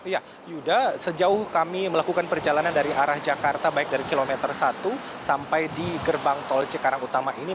ya yuda sejauh kami melakukan perjalanan dari arah jakarta baik dari kilometer satu sampai di gerbang tol cikarang utama ini